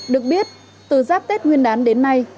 được biết từ giáp tết nguyên đán đến nay